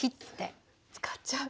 使っちゃう。